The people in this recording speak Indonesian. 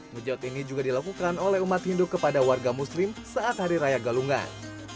mujad ini juga dilakukan oleh umat hindu kepada warga muslim saat hari raya galungan